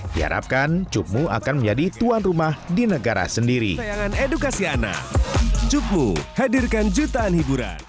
diarapkan cukmu akan menjadi tuan rumah di negara sendiri